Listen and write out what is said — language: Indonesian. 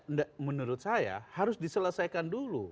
nah ini nggak menurut saya harus diselesaikan